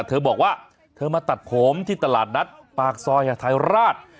เธอบอกว่าเธอมาตัดผมที่ตลาดนัดปากซอยไทยราช